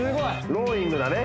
ローイングね